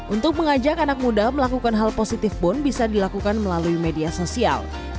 untuk mengajak anak muda melakukan hal positif pun bisa dilakukan melalui media sosial